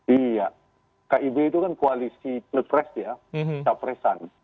iya kib itu kan koalisi pilpres ya capresan